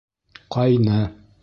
Ҡайны.